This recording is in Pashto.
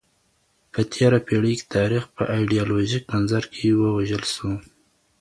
په تېره پېړۍ کې تاریخ په ایډیالوژیک منظر کې ووژل سو.